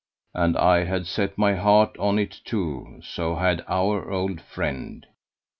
And I had set my heart on it too; so had our old friend.